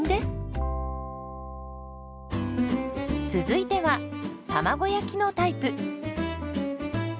続いては卵焼きのタイプ。